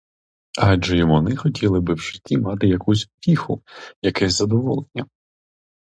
Адже й вони хотіли би в житті мати якусь утіху, якесь задоволення!